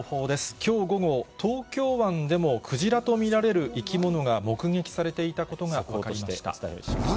今日午後、東京湾でもクジラとみられる生き物が目撃されていたことがわかりました。